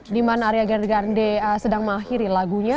dimana ariana grande sedang mengakhiri lagunya